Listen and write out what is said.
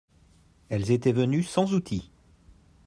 Elles étaient venus sans outil.